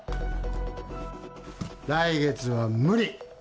来月は無理。